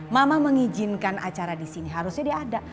mama mengizinkan acara disini harusnya dia ada